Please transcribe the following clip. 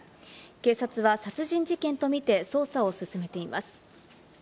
警察は殺人事件とみて、捜査を進めています。